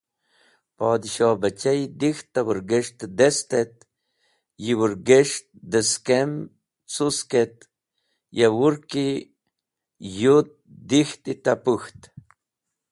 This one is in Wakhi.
Podshohbachayi dik̃ht ta wũrges̃ht dest et yi wũrges̃t di skem cusk et ya wurki yut dik̃ht ta puk̃ht.